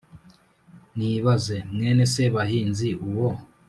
nibaze! mwene sebahinzi uwo